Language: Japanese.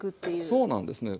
そうなんですね。